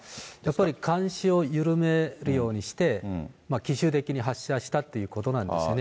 やっぱり、監視を緩めるようにして、奇襲的に発射したってことなんですね。